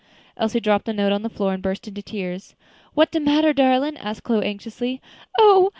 Elsie dropped the note on the floor and burst into tears. "What de matter, darlin'?" asked Chloe, anxiously. "Oh!